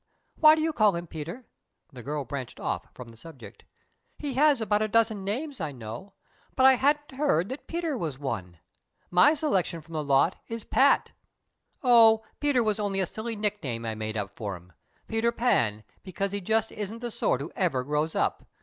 "Why do you call him 'Peter'?" the girl branched off from the subject. "He has about a dozen names, I know, but I hadn't heard that 'Peter' was one. My selection from the lot is Pat!" "Oh, 'Peter' was only a silly nickname I made up for him. 'Peter Pan', because he just isn't the sort who ever grows up!"